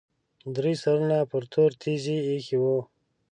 درې سرونه پر تورې تیږې ایښي وو.